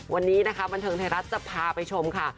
วันนี้นะคะบันเทิงไทยรัฐจะพาไปชมค่ะ